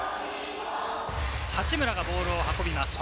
八村がボールを運びます。